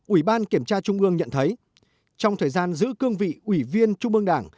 ủy ban kiểm tra trung ương nhận thấy trong thời gian giữ cương vị ủy viên trung ương đảng